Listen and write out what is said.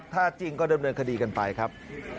ถ้าจริงก็ดำเนินคดีกันไปครับ